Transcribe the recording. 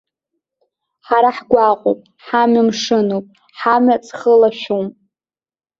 Ҳара ҳгәаҟуп, ҳамҩа мшынуп, ҳамҩа ҵхы лашәуп!